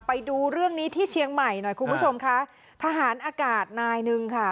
ไปดูเรื่องนี้ที่เชียงใหม่หน่อยคุณผู้ชมค่ะทหารอากาศนายหนึ่งค่ะ